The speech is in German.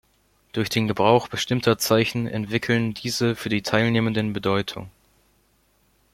Durch den Gebrauch bestimmter Zeichen entwickeln diese für die Teilnehmenden Bedeutung.